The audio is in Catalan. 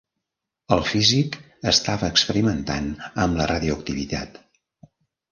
El físic estava experimentant amb la radioactivitat.